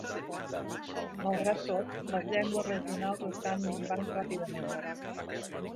Malgrat tot, les llengües regionals estan minvant ràpidament.